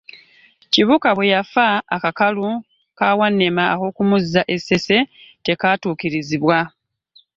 Kibuuka bwe yafa, akakalu ka Wannema ak’okumuzza e Ssese tekaatuukirizibwa.